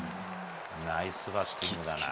ナイスバッティングだな。